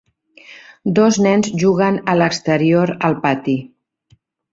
Dos nens juguen a l'exterior al pati.